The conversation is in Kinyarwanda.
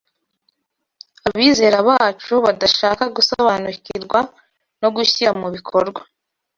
abizera bacu badashaka gusobanukirwa no gushyira mu bikorwa,